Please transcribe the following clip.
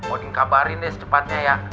odin kabarin deh secepatnya ya